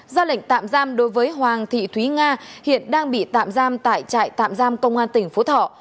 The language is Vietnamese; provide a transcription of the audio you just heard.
ra lệnh tạm giam đối với hoàng thị thúy nga hiện đang bị tạm giam tại trại tạm giam công an tỉnh phú thọ